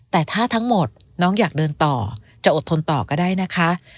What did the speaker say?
แต่ถ้าทั้งหมดน้องอยากเดินต่อจะอดทนต่อก็ได้นะคะ